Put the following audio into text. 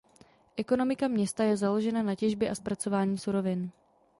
Ekonomika města je založena na těžbě a zpracování surovin.